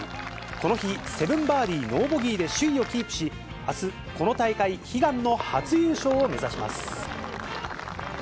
この日、７バーディー、ノーボギーで首位をキープし、あす、この大会悲願の初優勝を目指します。